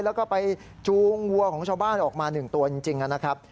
แล้วก็ไปจูงวัวของชาวบ้านออกมา๑ตัวจริงนะครับ